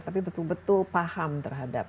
tapi betul betul paham terhadap